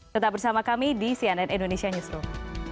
tetap bersama kami di cnn indonesia newsroom